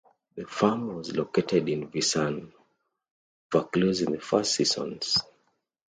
The farm was located in Visan, Vaucluse in the first seasons.